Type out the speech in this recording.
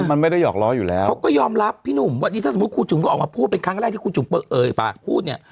มันไม่ได้หอกล้ออยู่แล้วเขาก็ยอมรับพี่หนุ่มวันนี้ถ้าสมมุติครูจุ๋มก็ออกมาพูดเป็นครั้งแรกที่ครูจุ๋มเอ่ยปากพูดเนี่ย